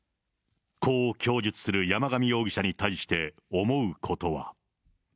こう供述する山上容疑者に対して、思うことは。